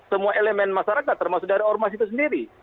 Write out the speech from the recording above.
semua elemen masyarakat termasuk dari ormas itu sendiri